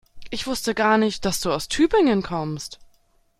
Ich wusste gar nicht, dass du aus Tübingen kommst